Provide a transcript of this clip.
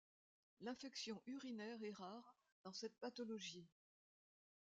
L'infection urinaire est rare dans cette pathologie.